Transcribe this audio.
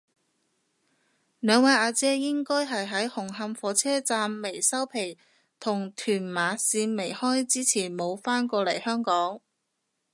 兩位阿姐應該係喺紅磡火車站未收皮同屯馬綫未開之前冇返過嚟香港